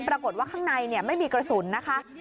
ปรากฏว่าข้างในไม่มีกระสุนนะคะ